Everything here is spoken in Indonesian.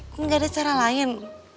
gak ada cara lain